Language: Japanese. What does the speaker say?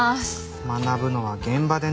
学ぶのは現場でね。